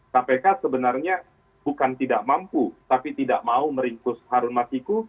kpk sebenarnya bukan tidak mampu tapi tidak mau meringkus harun masiku